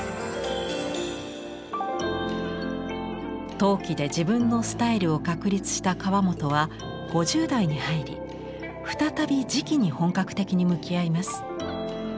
陶器で自分のスタイルを確立した河本は５０代に入り再び磁器に本格的に向き合います。